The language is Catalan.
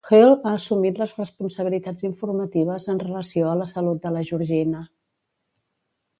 Hale ha assumit les responsabilitats informatives en relació a la salut de la Georgina.